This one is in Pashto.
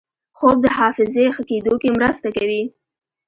خوب د حافظې ښه کېدو کې مرسته کوي